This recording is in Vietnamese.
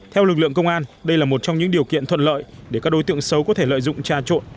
theo lực lượng công an đây là một trong những điều kiện thuận lợi để các đối tượng xấu có thể lợi dụng trà trộn